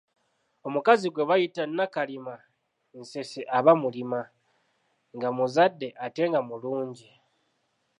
Omukazi gwe bayita Nakalima nseese aba mulima, nga muzadde ate nga mulungi